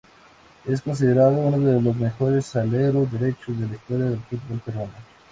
Es considerado uno de los mejores aleros derechos de la historia del fútbol peruano.